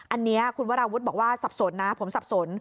อันนี้คุณวราวุฒิศิลปะอาวุฒิศิบอกว่าสับสนนะผมสับสน